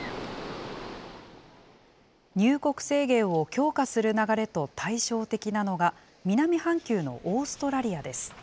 入国制限を強化する流れと対照的なのが、南半球のオーストラリアです。